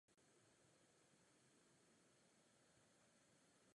Máme je na základě příkazu této organizace přijmout všechny?